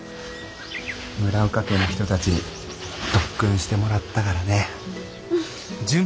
村岡家の人たちに特訓してもらったからね。